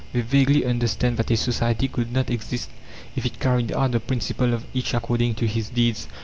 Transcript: They vaguely understand that a society could not exist if it carried out the principle of "Each according to his deeds."